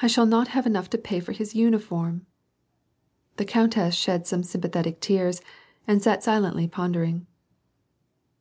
I shall not have enough to pay for his uniform." The countess shed some sympathetic tears, and sat silently pondering.